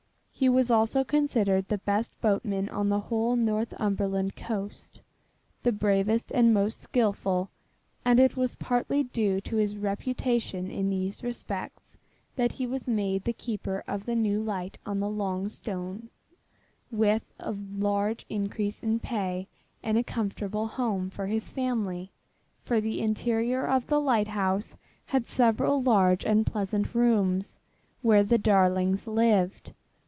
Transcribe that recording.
He was also considered the best boatman on the whole Northumberland coast the bravest and most skilful, and it was partly due to his reputation in these respects that he was made the keeper of the new light on the Longstone with a large increase in pay and a comfortable home for his family for the interior of the lighthouse held several large and pleasant rooms where the Darlings lived.